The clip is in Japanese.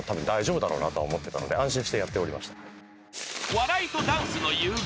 ［笑いとダンスの融合］